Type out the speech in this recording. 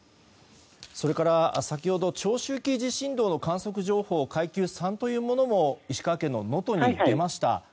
それから、先ほど長周期地震動の観測情報階級３というものも石川県の能登に出ました。